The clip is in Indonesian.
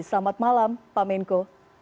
selamat malam pak menko